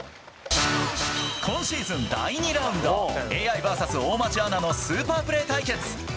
今シーズン第２ラウンドＡＩｖｓ大町アナのスーパープレー対決。